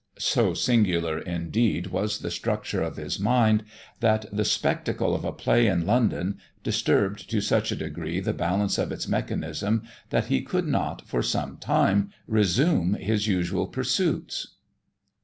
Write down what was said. So singular, indeed, was the structure of his mind, that the spectacle of a play in London, disturbed to such a degree the balance of its mechanism, that he could not, for some time, resume his usual pursuits.